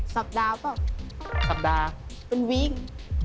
สัปดาห์เปล่าเป็นวิกสัปดาห์